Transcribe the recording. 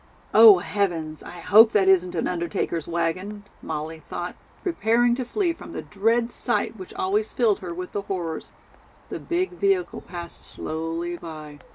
"Oh, heavens, I hope that isn't an undertaker's wagon," Molly thought, preparing to flee from the dread sight which always filled her with the horrors. The big vehicle passed slowly by.